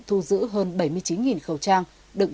thu giữ hơn bảy mươi chín khẩu trang đựng